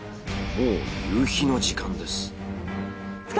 もう夕日の時間です。